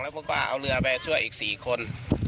ผมก็เอาเรือไปช่วยอีก๔คน